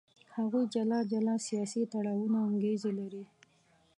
هغوی جلا جلا سیاسي تړاوونه او انګېزې لري.